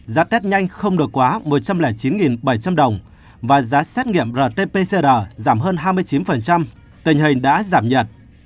giá test nhanh không được quá một trăm linh chín bảy trăm linh đồng và giá xét nghiệm rt pcr giảm hơn hai mươi chín tình hình đã giảm nhiệt